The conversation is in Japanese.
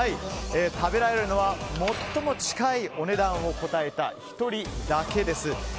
食べられるのは最も近いお値段を答えた１人だけです。